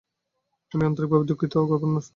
আমি আন্তরিকভাবে দুঃখিত, গভর্নর।